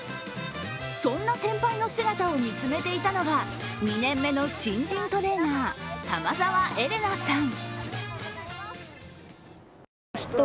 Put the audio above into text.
そんな先輩の姿を見つめていたのが２年目の新人トレーナー・玉澤英怜奈さん。